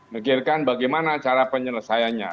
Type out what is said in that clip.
mengirikan bagaimana cara penyelesaiannya